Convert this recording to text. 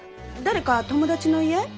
誰か友達の家？